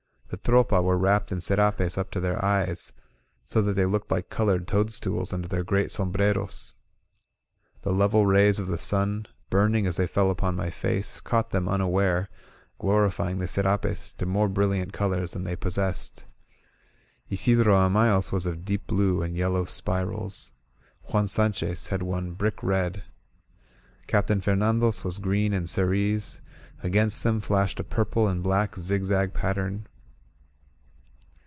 The Tropa were wrapped in scrapes up to their eyes, so that they looked like colored toadstools under their great sombreros. The level rays of the sun, burning as they fell upon my face, caught them unaware, glori fying the scrapes to more brilliant colors than they possessed. Isidro Amayo's was of deep blue and yel low spirals; Juan Sanchez had one brick red. Captain Fernando's was green and cerise; against them flashed a purple and black zigzag pattern.